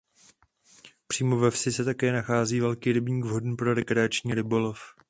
Přímo ve vsi se také nachází velký rybník vhodný pro rekreační rybolov.